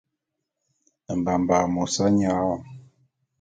Mbamba’a e mos nya wom.